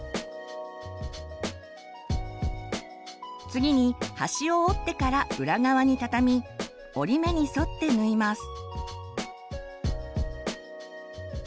次に端を折ってから裏側に畳み折り目に沿って縫います。